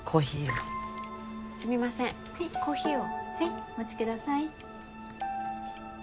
はいコーヒーをはいお待ちください